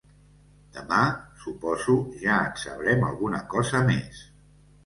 Demà, suposo, ja en sabrem alguna cosa més.